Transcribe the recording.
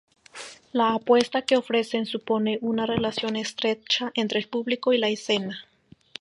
La apuesta que ofrecen supone una relación estrecha entre el público y la escena.